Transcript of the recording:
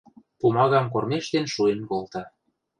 Пумагам кормежтен шуэн колта.